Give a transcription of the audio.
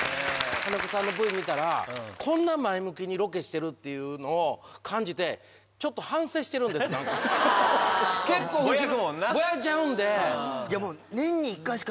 金子さんのＶ見たら、こんな前向きにロケしてるっていうのを感じて、ちょっと反省してるんです、なんか。